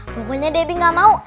pokoknya debbie gak mau